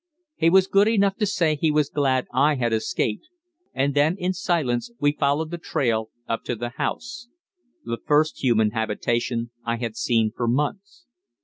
He was good enough to say he was glad I had escaped, and then in silence we followed the trail up to the house the first human habitation I had seen for months.